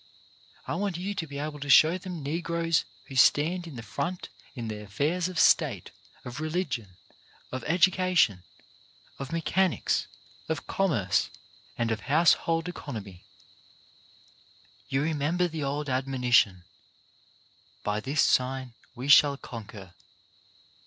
I want you to be able to show them Negroes who stand in the front in the affairs of State, of religion, of education, of mechanics, of commerce and of household economy. You remember the old admonition: "By this sign we shall conquer.